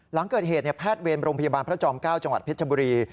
หลังเกิดเหตุแพทย์เวรโรงพยาบาลพระจอม๙จังหวัดเพชรบุรี